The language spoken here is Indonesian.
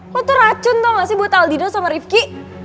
lo tuh racun tau nggak sih buat aldino sama rifki